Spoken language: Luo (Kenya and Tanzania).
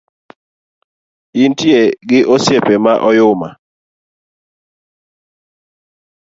Intie gi osiepe ma oyuma